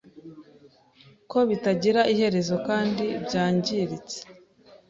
ko bitagira iherezo kandi byangiritse